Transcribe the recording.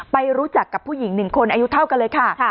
ไปรู้จักกับผู้หญิง๑คนอายุเท่ากันเลยค่ะ